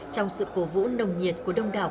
trong sự phổ vũ nồng nhiệt của đông đảo